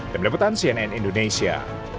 demi deputan cnn indonesia